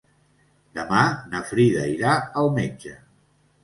Demà na Frida irà al metge.